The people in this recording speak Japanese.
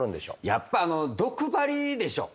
やっぱあの毒針でしょ。